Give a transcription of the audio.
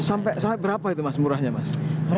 sampai berapa itu mas murahnya mas